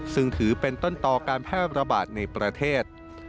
ซึ่งถือเป็นต้นต่อการแพร่ระบาดในประเทศ